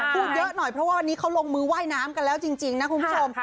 พูดเยอะหน่อยเพราะว่าวันนี้เขาลงมือว่ายน้ำกันแล้วจริงนะคุณผู้ชม